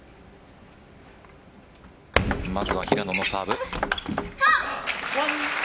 まずは平野のサーブ。